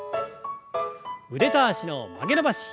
腕と脚の曲げ伸ばし。